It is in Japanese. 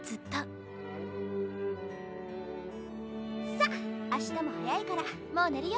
さっ明日も早いからもう寝るよ。